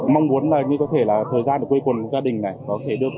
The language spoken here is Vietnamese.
con mong là có gia đình con và con sẽ khỏe mạnh với nhau và hạnh phúc